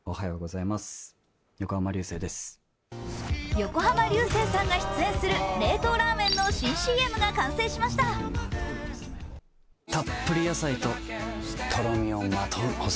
横浜流星さんが出演する冷凍ラーメンの新ＣＭが完成しました。